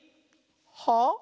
「はあ？」。